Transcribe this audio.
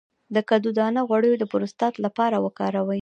د کدو دانه غوړي د پروستات لپاره وکاروئ